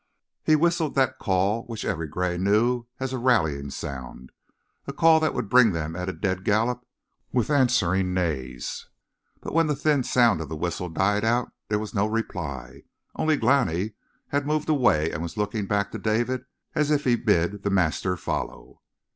He whistled that call which every gray knew as a rallying sound, a call that would bring them at a dead gallop with answering neighs. But when the thin sound of the whistle died out there was no reply. Only Glani had moved away and was looking back to David as if he bid the master follow.